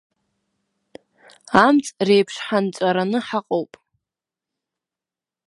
Амҵ реиԥшҳанҵәараны ҳаҟоуп!